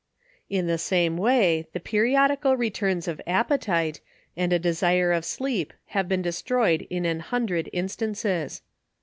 In the same way the periodical returns of appetite, and a desire of sleep, have been destroyed in an hundred in stances.